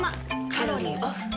カロリーオフ。